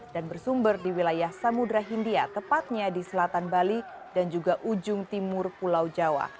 dan bersumber di wilayah samudera hindia tepatnya di selatan bali dan juga ujung timur pulau jawa